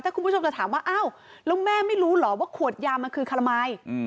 ถ้าคุณผู้ชมจะถามว่าอ้าวแล้วแม่ไม่รู้เหรอว่าขวดยามันคือคามัย